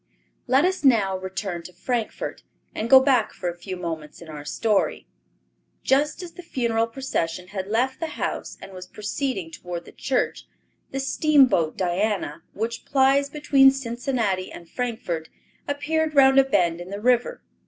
Let us now return to Frankfort, and go back for a few moments in our story. Just as the funeral procession had left the house and was proceeding toward the church, the steamboat Diana, which plies between Cincinnati and Frankfort, appeared round a bend in the river.